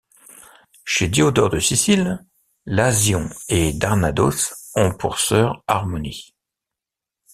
Chez Diodore de Sicile, Iasion et Dardanos ont pour sœur Harmonie.